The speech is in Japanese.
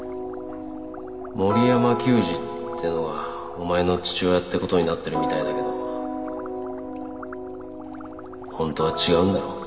森山久司っていうのがお前の父親って事になってるみたいだけど本当は違うんだろ？